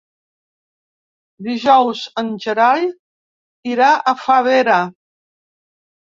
Dijous en Gerai irà a Favara.